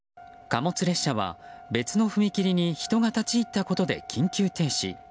貨物列車は別の踏切に人が立ち入ったことで緊急停止。